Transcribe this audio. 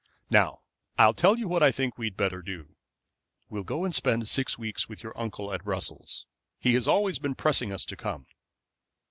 Now, I'll tell you what I think we had better do. We'll go and spend six weeks with your uncle at Brussels. He has always been pressing us to come."